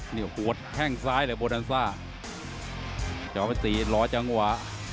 หัวแห้งซ้ายเลยโบราณซ่า